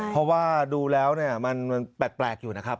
เพราะว่าดูแล้วเนี่ยมันแปลกอยู่นะครับ